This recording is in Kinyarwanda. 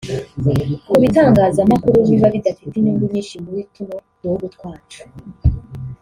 Ku bitangazamakuru biba bidafite inyungu nyinshi muri tuno duhugu twacu